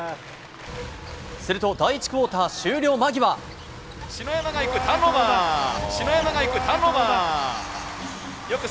すると、第１クオーター終了篠山が行く。